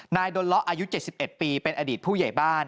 นายดนเหาะอายุเจ็ดสิบเอ็ดปีเป็นอดีตผู้ใหญ่บ้าน